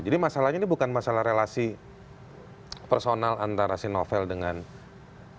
jadi masalahnya ini bukan masalah relasi personal antara si novel dengan orang yang namanya novel